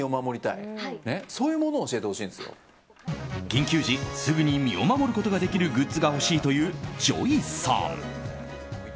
緊急時すぐに身を守ることができるグッズが欲しいというＪＯＹさん。